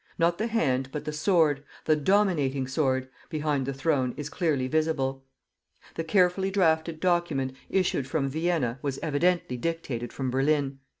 Not the hand, but the sword the dominating sword behind the Throne is clearly visible. The carefully drafted document, issued from Vienna, was evidently dictated from Berlin.